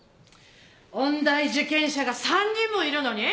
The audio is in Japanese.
音大受験者が３人もいるのに？